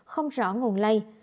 không rõ nguồn lây